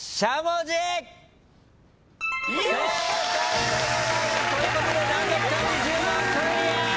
正解でございます！ということで難読漢字１０問クリア！